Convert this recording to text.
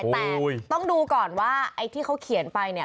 แต่ต้องดูก่อนว่าไอ้ที่เขาเขียนไปเนี่ย